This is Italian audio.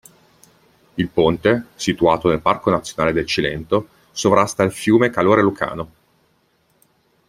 Il ponte, situato nel Parco Nazionale del Cilento, sovrasta il fiume Calore Lucano.